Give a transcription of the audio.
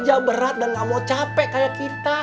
dia gak mau berat dan gak mau capek kayak kita